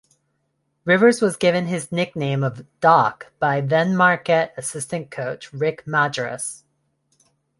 Rivers was given his nickname of "Doc" by then-Marquette assistant coach Rick Majerus.